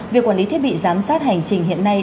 việc quản lý thiết bị giám sát hành trình hiện nay